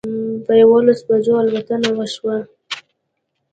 په یوولسو بجو الوتنه وشوه.